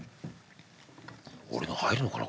俺の入るのかな？